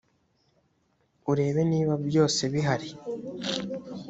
urebe niba byose bihari